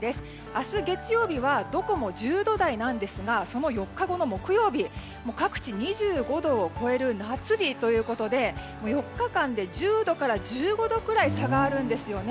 明日月曜日はどこも１０度台なんですがその４日後、木曜日各地で２５度を超える夏日ということで４日間で１０度から１５度くらい差があるんですよね。